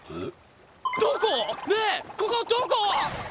どこ⁉ねえここどこ⁉えっ？